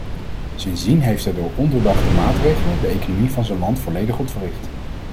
Sindsdien heeft hij door ondoordachte maatregelen de economie van zijn land volledig ontwricht.